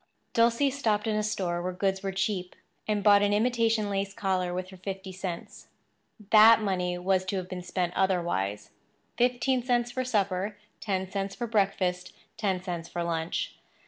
Dulcie stopped in a store where goods were cheap and bought an imitation lace collar with her fifty cents. That money was to have been spent otherwise—fifteen cents for supper, ten cents for breakfast, ten cents for lunch.